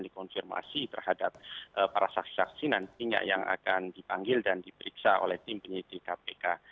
dikonfirmasi terhadap para saksi saksi nantinya yang akan dipanggil dan diperiksa oleh tim penyidik kpk